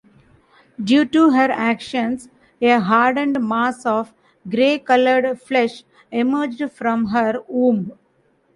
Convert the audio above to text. Due to her actions, a hardened mass of grey-colored flesh emerged from her womb.